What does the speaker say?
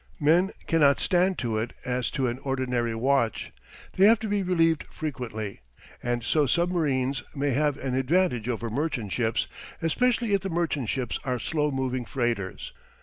Men cannot stand to it as to an ordinary watch; they have to be relieved frequently; and so submarines may have an advantage over merchant ships, especially if the merchant ships are slow moving freighters.